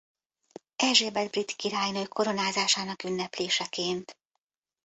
Erzsébet brit királynő koronázásának ünnepléseként.